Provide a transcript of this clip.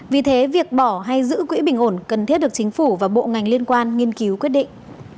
vì thế việc bỏ hay giữ quỹ bình ổn cần thiết được chính phủ và bộ ngành liên quan nghiên cứu quyết định